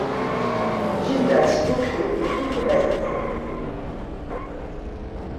Gildas Boclé est contrebassiste.